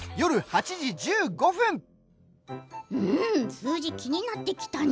数字が気になってきたね。